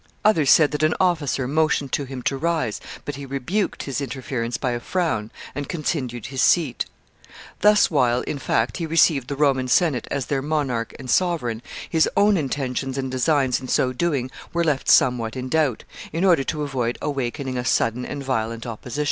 Others said that an officer motioned to him to rise, but he rebuked his interference by a frown, and continued his seat. Thus while, in fact, he received the Roman Senate as their monarch and sovereign, his own intentions and designs in so doing were left somewhat in doubt, in order to avoid awakening a sudden and violent opposition.